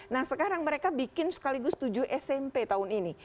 nah sekarang mereka bikin sekaligus tujuh smp tahun ini